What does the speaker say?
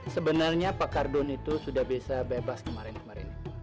sebenarnya pak kardun itu sudah bisa bebas kemarin kemarin